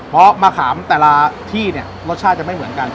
เพราะมะขามแต่ละที่เนี่ยรสชาติจะไม่เหมือนกัน